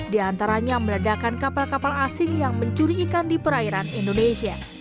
di antaranya meledakan kapal kapal asing yang mencuri ikan di perairan indonesia